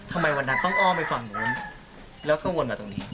วันนั้นต้องอ้อมไปฝั่งนู้นแล้วก็วนมาตรงนี้